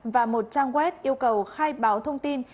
và một trang web yêu cầu khai báo thông tin